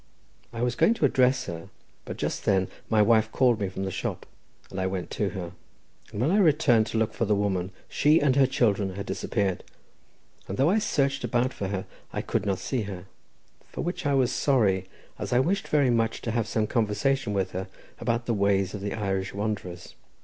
I was going to address her, but just then my wife called to me from the shop, and I went to her, and when I returned to look for the woman she and her children had disappeared, and though I searched about for her, I could not see her, for which I was sorry, as I wished very much to have some conversation with her about the ways of the Irish wanderers.